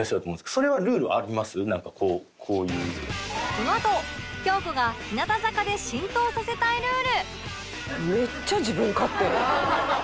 このあと京子が日向坂で浸透させたいルール